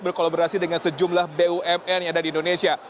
berkolaborasi dengan sejumlah bumn yang ada di indonesia